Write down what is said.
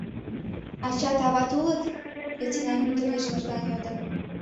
— Ачат, ават улыт? — лейтенант ӱдыр деч лыжган йодо.